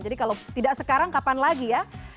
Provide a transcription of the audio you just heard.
jadi kalau tidak sekarang kapan lagi ya